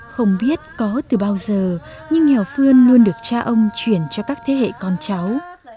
không biết có từ bao giờ nhưng hèo phương luôn được cha ông chuyển cho các thế hệ con cháu